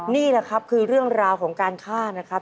นี่แหละครับคือเรื่องราวของการฆ่านะครับ